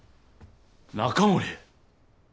中森！